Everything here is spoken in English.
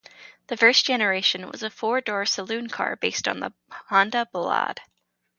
The first generation was a four-door saloon car based on the Honda Ballade.